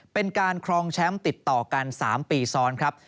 เป็นการครองแชมป์ติดต่อกัน๓ปีซ้อนครับ